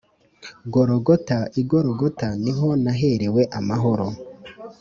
Gologota, i Gologota, Ni ho naherew'amahoro.